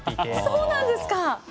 そうなんですか！